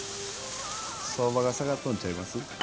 相場が下がっとるんちゃいます？